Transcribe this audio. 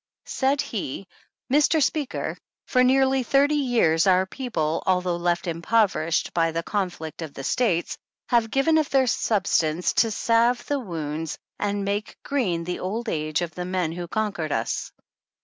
Said he :" Mr. Speaker, for nearly thirty years our people, although left impoverished by the conflict of the states, have given of their substance to salve the wounds and make green the old age of the men v/ho conquered us.